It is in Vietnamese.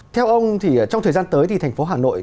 theo ông thì trong thời gian tới thì thành phố hà nội